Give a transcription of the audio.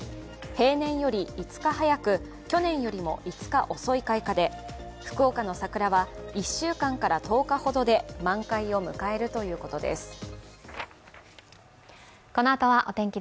平年より５日早く去年よりも５日遅い開花で福岡の桜は１週間から１０日ほどで満開を迎えるということです。